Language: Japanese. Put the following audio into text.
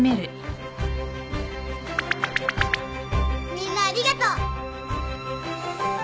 みんなありがとう。